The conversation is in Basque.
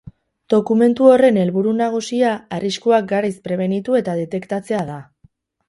Dokumentu horren helburu nagusia arriskuak garaiz prebenitu eta detektatzea da.